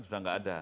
sudah tidak ada